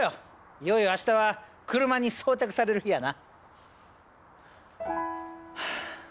いよいよ明日は車に装着される日やな。